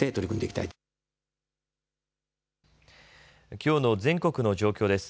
きょうの全国の状況です。